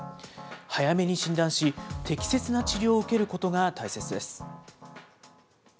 早めに診断し、適切な治療を受けることが大切です。